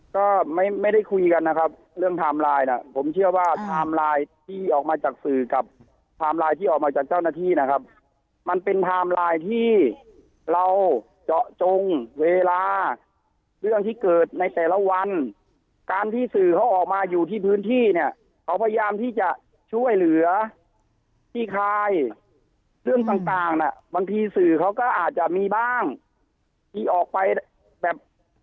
ก็ไม่ได้คุยกันนะครับเรื่องไทม์ไลน์น่ะผมเชื่อว่าไทม์ไลน์ที่ออกมาจากสื่อกับไทม์ไลน์ที่ออกมาจากเจ้าหน้าที่นะครับมันเป็นไทม์ไลน์ที่เราเจาะจงเวลาเรื่องที่เกิดในแต่ละวันการที่สื่อเขาออกมาอยู่ที่พื้นที่เนี่ยเขาพยายามที่จะช่วยเหลือขี้คายเรื่องต่างน่ะบางทีสื่อเขาก็อาจจะมีบ้างที่ออกไปแบบ